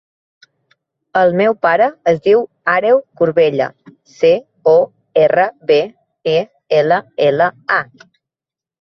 El meu pare es diu Àreu Corbella: ce, o, erra, be, e, ela, ela, a.